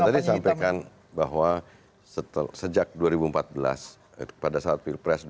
tadi disampaikan bahwa sejak dua ribu empat belas pada saat pilpres dua ribu empat